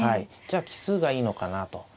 じゃあ奇数がいいのかなと。